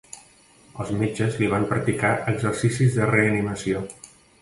Els metges li van practicar exercicis de reanimació.